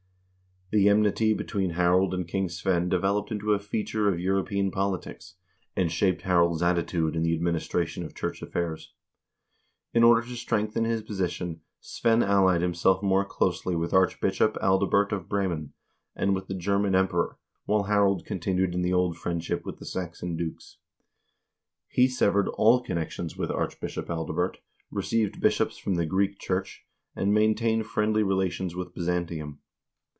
The enmity between Harald and King Svein developed into a feature of European politics, and shaped Harald's attitude in the administration of church affairs. In order to strengthen his posi tion, Svein allied himself more closely with Archbishop Adalbert of Bremen, and with the German Emperor, while Harald continued in the old friendship with the Saxon dukes. He severed all connec tions with Archbishop Adalbert, received bishops from the Greek Church, and maintained friendly relations with Byzantium.